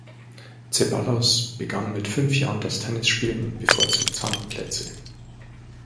Zeballos begann mit fünf Jahren das Tennisspielen und bevorzugt Sandplätze.